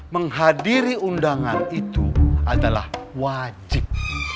menghadiri undangan itu adalah wajib